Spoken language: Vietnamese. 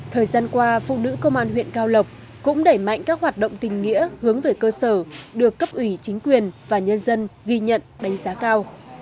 thời gian qua phụ nữ công an huyện cao lộc cũng đẩy mạnh các hoạt động tình nghĩa hướng về cơ sở được cấp ủy chính quyền và nhân dân ghi nhận đánh giá cao